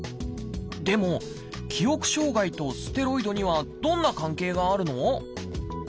でも記憶障害とステロイドにはどんな関係があるの？